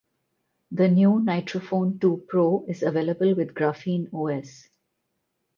The new Nitrophone two pro is avaiable with Graphene Os.